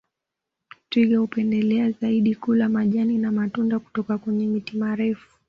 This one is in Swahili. Twiga hupendelea zaidi kula majani na matunda kutoka kwenye miti marefu